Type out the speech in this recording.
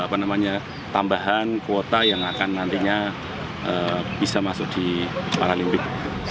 apa namanya tambahan kuota yang akan nantinya bisa masuk di paralimpik